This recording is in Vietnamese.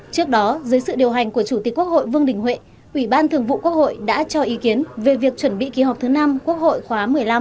trước đó dưới sự điều hành của chủ tịch quốc hội vương đình huệ ủy ban thường vụ quốc hội đã cho ý kiến về việc chuẩn bị kỳ họp thứ năm quốc hội khóa một mươi năm